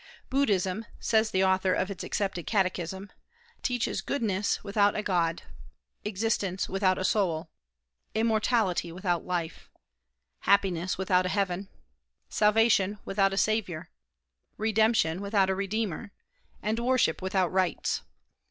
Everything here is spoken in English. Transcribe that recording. "Buddhism," says the author of its accepted catechism, "teaches goodness without a God, existence without a soul, immortality without life, happiness without a heaven, salvation without a saviour, redemption without a redeemer, and worship without rites."